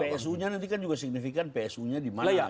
psu nya nanti kan juga signifikan psu nya di mana